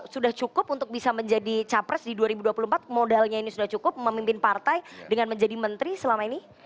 sudah cukup untuk bisa menjadi capres di dua ribu dua puluh empat modalnya ini sudah cukup memimpin partai dengan menjadi menteri selama ini